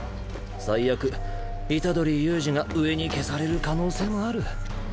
最悪虎杖悠仁が上に消される可能性もある。